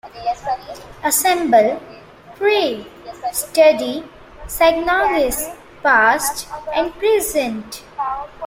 Assemble, Pray, Study - Synagogues Past and Present.